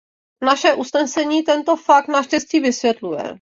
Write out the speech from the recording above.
Naše usnesení tento fakt naštěstí vysvětluje.